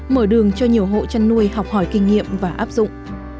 mở đường cho nhiều hộ chăn nuôi học hỏi kinh nghiệm và áp dụng